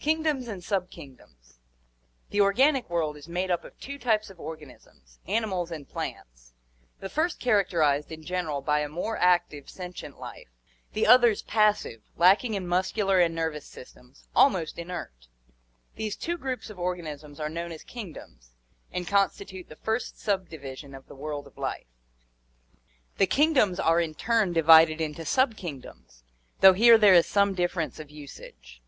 Kingdoms and Subkingdoms. — The organic world is made up of two types of organisms, animals and plants, the first character ized in general by a more active, sentient life, the others passive, lacking in muscular and nervous systems, almost inert. These two groups of organisms are known as kingdoms, and constitute the first subdivision of the world of life. The kingdoms are in turn «9 30 ORGANIC EVOLUTION divided into subkingdoms, though here there is some difference of usage.